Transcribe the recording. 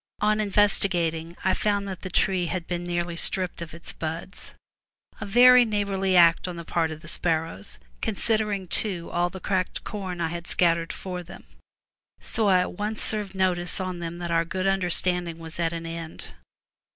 On investi gating I found that the tree had been nearly stripped of its buds — a very neighborly act on the part of the sparrows, considering, too, all the cracked corn I had scattered for them. So I at once served notice on them that our good understanding was at an end.